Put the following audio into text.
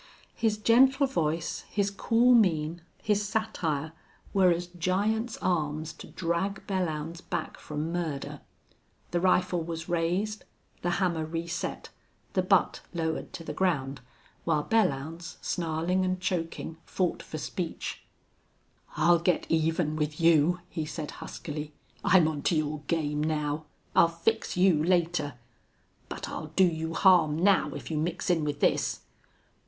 His gentle voice, his cool mien, his satire, were as giant's arms to drag Belllounds back from murder. The rifle was raised, the hammer reset, the butt lowered to the ground, while Belllounds, snarling and choking, fought for speech. "I'll get even with you," he said, huskily. "I'm on to your game now. I'll fix you later. But I'll do you harm now if you mix in with this!"